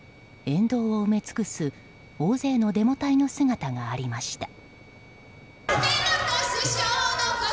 沿道を埋め尽くす大勢のデモ隊の姿がありました。